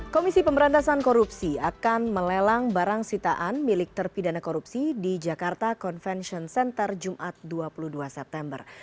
komisi pemberantasan korupsi akan melelang barang sitaan milik terpidana korupsi di jakarta convention center jumat dua puluh dua september